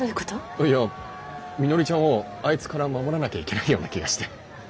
あいやみのりちゃんをあいつから守らなきゃいけないような気がして。